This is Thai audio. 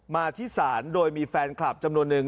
มาที่ศาลโดยมีแฟนคลับจำนวนนึง